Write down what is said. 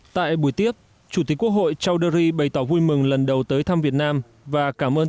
tại buổi tiếp chủ tịch quốc hội charuri bày tỏ vui mừng lần đầu tới thăm việt nam và cảm ơn